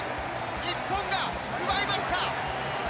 日本が奪いました。